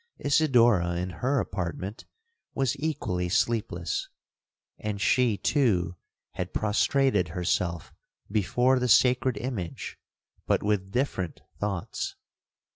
'Isidora, in her apartment, was equally sleepless; and she, too, had prostrated herself before the sacred image, but with different thoughts.